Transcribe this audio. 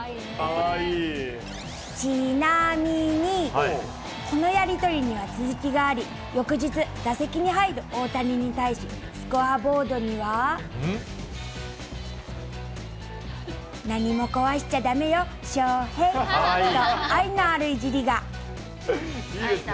ちなみに、このやり取りには続きがあり、翌日、打席に入る大谷に対し、スコアボードには。何も壊しちゃだめよ翔平、と愛のあるいじりが。